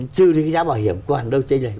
trừ cái giá bảo hiểm còn đâu trên rồi